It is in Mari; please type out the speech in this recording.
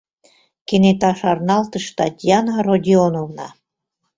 — кенета шарналтыш Татьяна Родионовна.